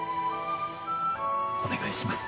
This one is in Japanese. お願いします。